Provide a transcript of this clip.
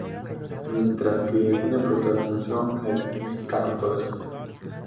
Mientras que en cine protagonizó en el filme mexicano Todas Mías.